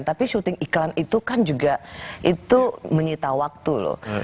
tapi syuting iklan itu kan juga itu menyita waktu loh